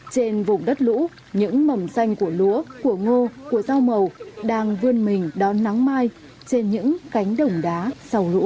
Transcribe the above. trên vùng đất lũ những mầm xanh của lúa của ngô của rau màu đang vươn mình đón nắng mai trên những cánh đồng đá sau lũ